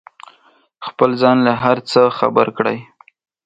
خپل ځان له هر څه خبر کړئ.